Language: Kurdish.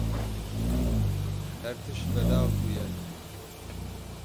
Her tişt belav bûye.